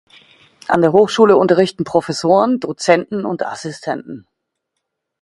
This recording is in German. An der Hochschule unterrichten Professoren, Dozenten und Assistenten.